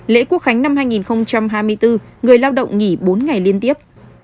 lễ quốc khánh năm hai nghìn hai mươi bốn người lao động nghỉ bốn ngày liên tiếp